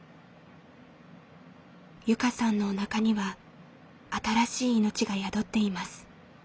友佳さんのおなかには新しい命が宿っています。